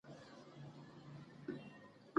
قومونه د افغان ماشومانو د زده کړې یوه جالبه موضوع ده.